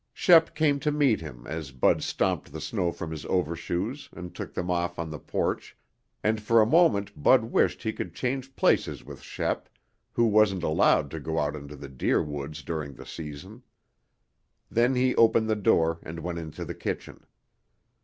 Shep came to meet him as Bud stomped the snow from his overshoes and took them off on the porch, and for a moment Bud wished he could change places with Shep, who wasn't allowed to go out into the deer woods during the season. Then he opened the door and went into the kitchen.